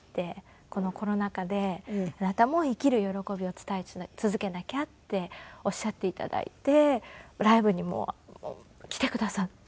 「このコロナ禍であなたも生きる喜びを伝え続けなきゃ」っておっしゃって頂いてライブにも来てくださって。